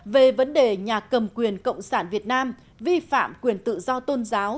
về vấn đề nhà cầm quyền cộng sản việt nam vi phạm quyền tự do tôn giáo